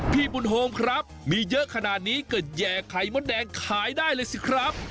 พี่บุญโฮมครับมีเยอะขนาดนี้ก็แย่ไข่มดแดงขายได้เลยสิครับ